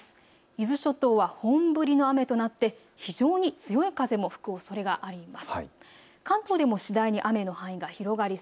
伊豆諸島は本降りの雨となって非常に強い風も吹くおそれがあります。